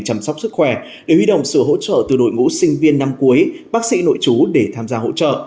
chăm sóc sức khỏe để huy động sự hỗ trợ từ đội ngũ sinh viên năm cuối bác sĩ nội chú để tham gia hỗ trợ